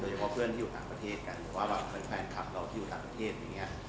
เฉพาะเพื่อนที่อยู่ต่างประเทศกันหรือว่าแบบเหมือนแฟนคลับเราที่อยู่ต่างประเทศอย่างนี้